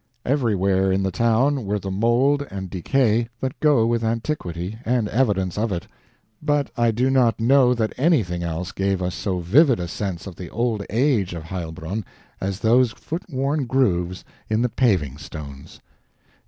Everywhere in the town were the mold and decay that go with antiquity, and evidence of it; but I do not know that anything else gave us so vivid a sense of the old age of Heilbronn as those footworn grooves in the paving stones.